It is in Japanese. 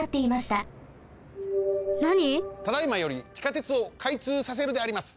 ただいまより地下鉄をかいつうさせるであります！